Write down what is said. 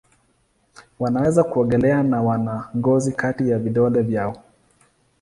Wanaweza kuogelea na wana ngozi kati ya vidole vyao.